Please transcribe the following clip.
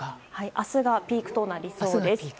明日がピークとなりそうです。